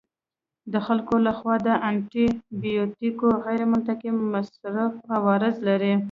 د خلکو لخوا د انټي بیوټیکو غیرمنطقي مصرف عوارض لري.